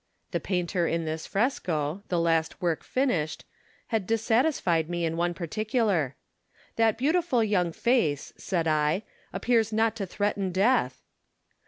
The painter in this fresco, the last work finished, had dissatisfied me in one particular. " That beautiful young face," said I, "appears not to threaten death."